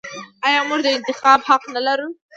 آیا موږ د انتخاب حق نلرو؟